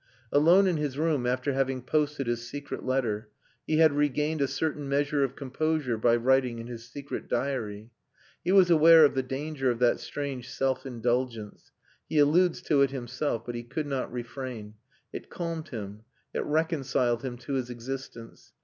Alone in his room after having posted his secret letter, he had regained a certain measure of composure by writing in his secret diary. He was aware of the danger of that strange self indulgence. He alludes to it himself, but he could not refrain. It calmed him it reconciled him to his existence.